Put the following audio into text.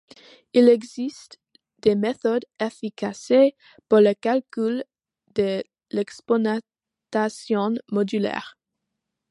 Il existe des méthodes efficaces pour le calcul de l'exponentiation modulaire.